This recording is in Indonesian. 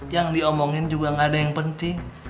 yang diomongin juga gak ada yang penting